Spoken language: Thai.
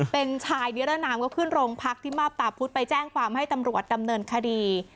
เป็นชายนิรนามก็ขึ้นโรงพักที่มาบตาพุธไปแจ้งความให้ตำรวจดำเนินคดี